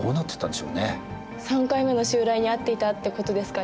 ３回目の襲来に遭っていたってことですかね。